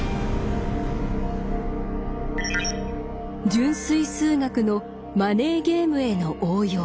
純粋数学のマネーゲームへの応用。